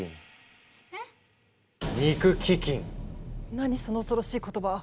何その恐ろしい言葉。